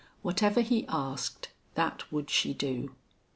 Whatever he asked that would she do.